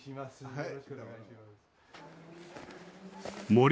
はい。